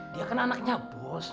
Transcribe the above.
dia kan anaknya bos